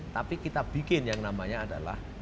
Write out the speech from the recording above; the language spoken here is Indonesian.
tapi kita bikin yang namanya adalah